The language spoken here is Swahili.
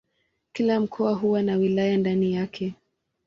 Kila mkoa huwa na wilaya ndani yake.